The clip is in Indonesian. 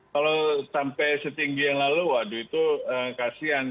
kalau sampai setinggi yang lalu waduh itu kasian